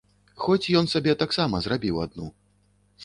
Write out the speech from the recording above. Хоць ён сабе таксама зрабіў адну.